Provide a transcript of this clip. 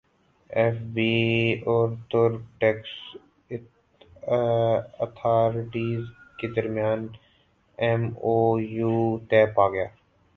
F B اور ترک tax authorities کے درمیان ایم او یو طے پاگیا